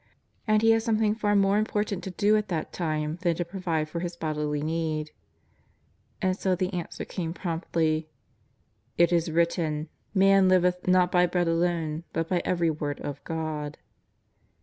And He had something far more impor tant to do at that time than to provide for His bodilj need. iYnd so the answer came promptly: " It is written; Man liveth not by bread alone but by every word of God.''